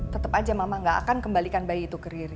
tetap aja mama gak akan kembalikan bayi itu ke kiri